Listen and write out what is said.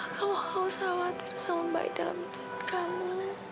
kamu enggak usah khawatir sama mbak ida dalam hidup kamu